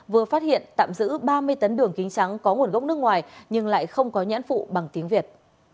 vừa phát hiện tạm giữ ba mươi tấn đường kính trắng có nguồn gốc nước ngoài nhưng lại không có nhãn phụ bằng tiếng việt